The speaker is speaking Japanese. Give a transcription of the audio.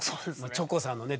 チョコさんのね